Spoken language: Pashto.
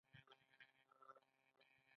دلته دی کوزول غواړي له جهازه